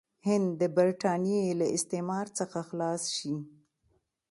هند د برټانیې له استعمار څخه خلاص شي.